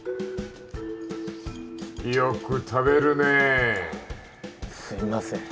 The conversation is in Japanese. よく食べるねえすいません